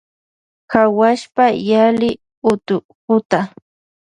Hawuashpa yali utukuta.